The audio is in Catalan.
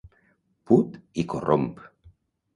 Put i corromp!